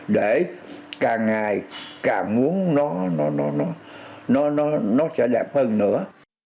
để càng ngày càng muốn nó sẽ đẹp hơn nữa